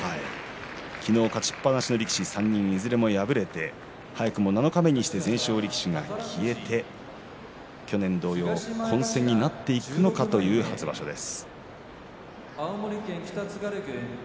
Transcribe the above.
昨日の勝ちっぱなしの力士３人がいずれも敗れて早くも七日目にして全勝力士が消えて去年同様、混戦になっていくのかという初場所です。